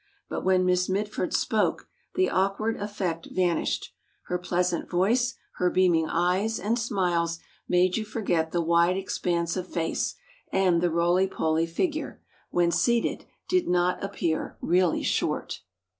but when Miss Mitford spoke, the awkward effect vanished, her pleasant voice, her beaming eyes and smiles, made you forget the wide expanse of face; and the roley poley figure, when seated, did not appear really short."